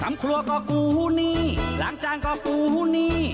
ทำครัวก็กูหนี้ล้างจานก็กูหนี้